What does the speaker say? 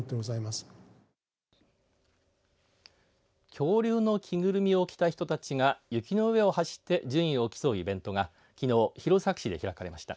恐竜の着ぐるみを着た人たちが雪の上を走って順位を競うイベントがきのう弘前市で開かれました。